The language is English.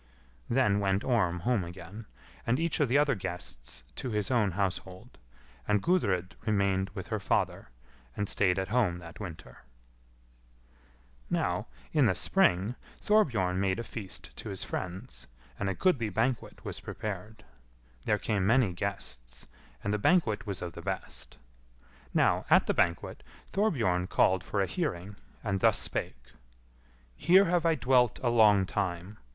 Then went Orm home again, and each of the other guests to his own household, and Gudrid remained with her father, and stayed at home that winter. [Footnote A: The word "alendu" is a difficulty. Perhaps we ought to read "allidnu," or "allidinu."] Now, in the spring, Thorbjorn made a feast to his friends, and a goodly banquet was prepared. There came many guests, and the banquet was of the best. Now, at the banquet, Thorbjorn called for a hearing, and thus spake: "Here have I dwelt a long time.